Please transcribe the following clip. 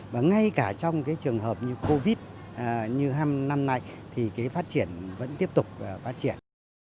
và ngay cả trong trường hợp như covid như năm nay thì phát triển vẫn tiếp tục phát triển